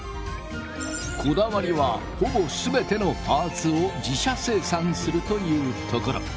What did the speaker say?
こだわりはほぼすべてのパーツを自社生産するというところ。